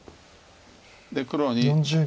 で黒に。